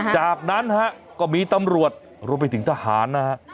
จากนั้นฮะก็มีตำรวจรวมไปถึงทหารนะฮะ